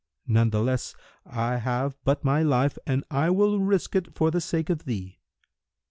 Natheless, I have but my life and I will risk it for the sake of thee."